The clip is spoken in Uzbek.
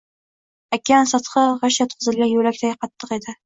okean sathi g‘isht yotqizilgan yo‘lakday qattiq edi.